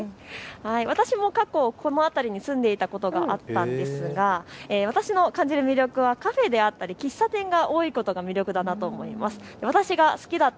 私も過去この辺り住んでいたことがあったんですが、私の感じる魅力はカフェであったり喫茶店が多いことが魅力だなと思いました。